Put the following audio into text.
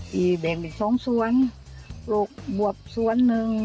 ที่แบ่งเป็น๒สวนปลูกบวบสวนนึง